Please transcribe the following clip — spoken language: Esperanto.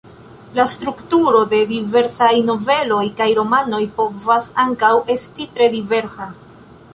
La strukturo de la diversaj noveloj kaj romanoj povas ankaŭ esti tre diversa.